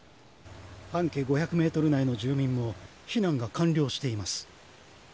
半径５００メートル内の住民も避難が完了しています。